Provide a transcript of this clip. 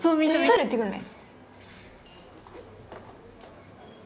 トイレ行ってくるね。